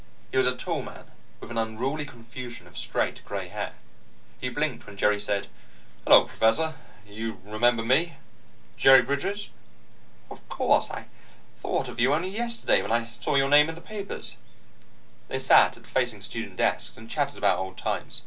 He was a tall man, with an unruly confusion of straight gray hair. He blinked when Jerry said: "Hello, Professor. Do you remember me? Jerry Bridges?" "Of course! I thought of you only yesterday, when I saw your name in the papers " They sat at facing student desks, and chatted about old times.